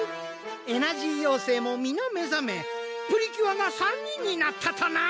「エナジー妖精も皆目ざめプリキュアが３人になったとな！」